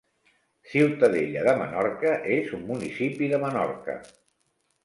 Ciutadella de Menorca és un municipi de Menorca.